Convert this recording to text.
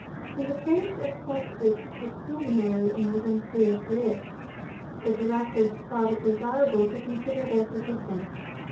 In the face of such a pecuniary emergency as this, the Directors thought it desirable to consider their position.